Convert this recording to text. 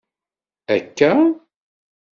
Akka?